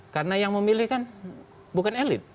karena yang memilih kan bukan elite